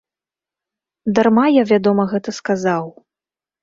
Дарма, я вядома, гэта сказаў.